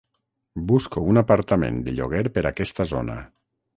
Busco un apartament de lloguer per aquesta zona.